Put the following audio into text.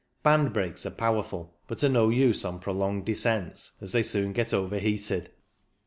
Band brakes are powerful, but are no use on prolonged descents, as they soon get over heated.